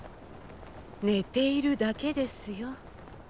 寝ているだけですよ